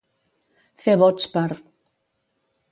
Fer vots per.